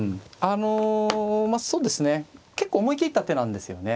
あのまあそうですね結構思い切った手なんですよね